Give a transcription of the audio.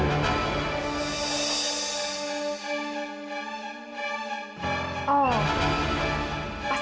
enggak karena aku kasih ke mama